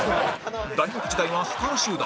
大学時代はスター集団！